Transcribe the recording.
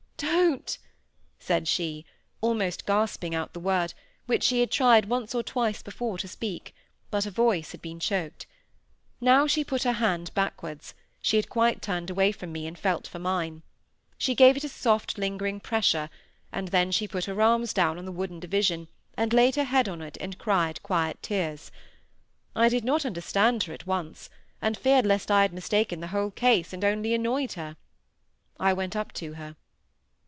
"Don't," said she, almost gasping out the word, which she had tried once or twice before to speak; but her voice had been choked. Now she put her hand backwards; she had quite turned away from me, and felt for mine. She gave it a soft lingering pressure; and then she put her arms down on the wooden division, and laid her head on it, and cried quiet tears. I did not understand her at once, and feared lest I had mistaken the whole case, and only annoyed her. I went up to her.